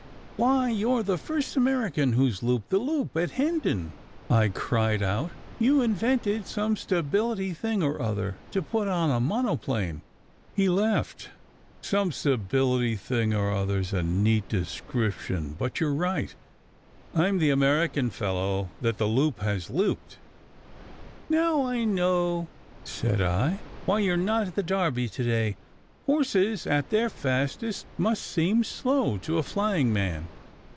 "Why, you re the first American who s looped the loop at Hendon!" I cried out. "You invented some stability thing or other to put on a monoplane." He laughed. "Some stability thing or other s a neat description. But you re right. I m the American fellow that the loop has looped." "Now I know," said I, "why you re not at the Derby to day. Horses at their fastest must seem slow to a flying man."